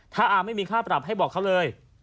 ถ้าอาไม่มีค่าปรับให้บอกเขาเลย